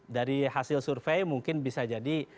dari hasil survei mungkin bisa jadi